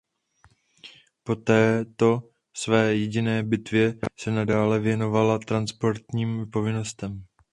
Po této své jediné bitvě se nadále věnovala transportním povinnostem.